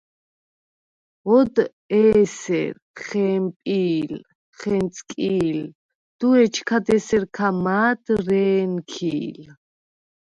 ოდ’ ე̄სერ ხე̄მპი̄ლ, ხე̄ნწკი̄ლ, დო ეჩქად ესერ ქა მა̄დ რე̄ნქი̄ლ.